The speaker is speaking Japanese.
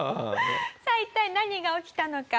さあ一体何が起きたのか。